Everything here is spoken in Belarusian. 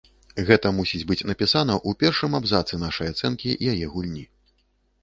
Гэта мусіць быць напісана ў першым абзацы нашай ацэнкі яе гульні.